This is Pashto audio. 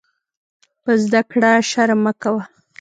په زده کړه شرم مه کوۀ.